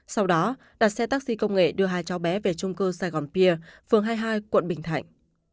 sau đó đặt xe taxi công nghệ đưa hai cháu bé về trung cư sài gòn pia phường hai mươi hai quận bình thạnh